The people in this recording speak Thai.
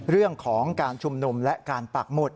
เรื่องของการชุมนุมและการปักหมุด